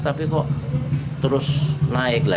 tapi kok terus naik lah